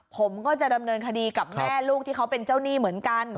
ผมก็จะดำเนินคดีกับแม่ลูกที่เขาเป็นเจ้าหนี้เหมือนกัน